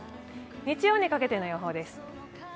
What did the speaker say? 日曜にかけての予報です。